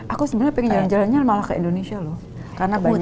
aku sebenarnya pengen jalan jalannya malah ke indonesia loh